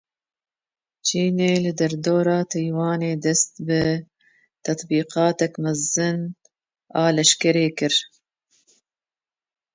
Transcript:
Çînê li derdora Taywanê dest bi tetbîqateke mezin a leşkerî kir.